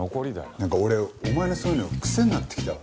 なんか俺お前のそういうの癖になってきた。